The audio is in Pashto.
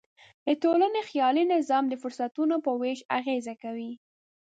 د ټولنې خیالي نظام د فرصتونو په وېش اغېز کوي.